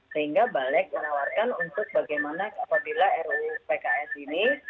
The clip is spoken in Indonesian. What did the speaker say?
sehingga balik menawarkan untuk bagaimana apabila ruu pks ini